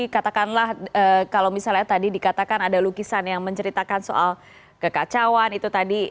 katakanlah kalau misalnya tadi dikatakan ada lukisan yang menceritakan soal kekacauan itu tadi